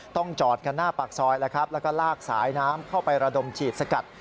ต้องจอดกันหน้าปากซอยแล้วครับแล้วก็ลากสายน้ำเข้าไประดมฉีดสกัด